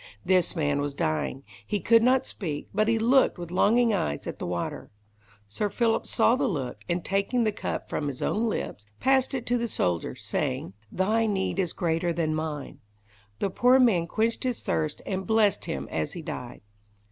This man was dying; he could not speak, but he looked with longing eyes at the water. Sir Philip saw the look, and taking the cup from his own lips, passed it to the soldier, saying: "Thy need is greater than mine." The poor man quenched his thirst, and blessed him as he died.